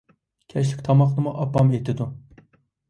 كەچلىك تاماقنىمۇ ئاپام ئېتىدۇ.